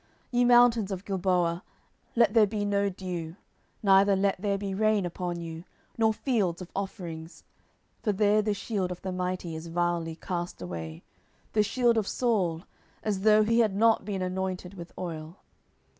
10:001:021 Ye mountains of Gilboa, let there be no dew, neither let there be rain, upon you, nor fields of offerings: for there the shield of the mighty is vilely cast away, the shield of Saul, as though he had not been anointed with oil.